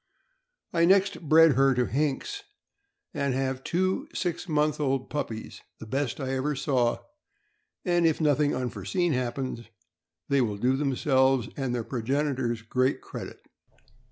I next bred her to Hinks, and have two six month old puppies, the best I ever saw, and if nothing unforeseen happens, they will do themselves and their progenitors great credit.